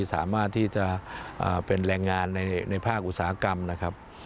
สามารถที่จะเป็นแรงงานในภาคอุตสาหกรรมนะครับ